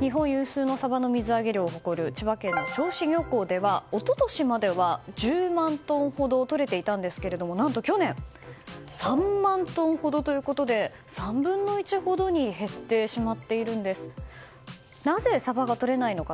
日本有数のサバの水揚げ量を誇る千葉県の銚子漁港では一昨年までは１０万トンほどとれていたんですが何と去年、３万トンほどということで、３分の１ほどに減ってしまっているんですなぜサバがとれないか。